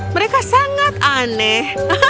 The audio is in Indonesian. mereka sangat aneh